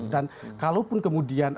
dan kalaupun kemudian